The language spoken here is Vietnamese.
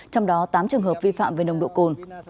trong đó tám trường hợp vi phạm về nồng độ cồn